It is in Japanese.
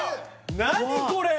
何これ！